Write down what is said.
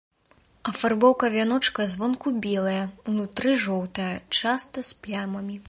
Афарбоўка вяночка звонку белая, унутры жоўтая, часта з плямамі.